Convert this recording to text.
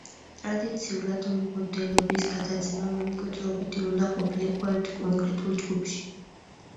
ტრადიციულად მღვდლობის გადაცემა მემკვიდრეობითი უნდა ყოფილიყო ერთ კონკრეტულ ჯგუფში.